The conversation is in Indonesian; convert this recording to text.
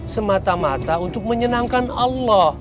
semata mata untuk menyenangkan allah